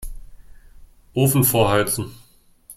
Ofen vorheizen.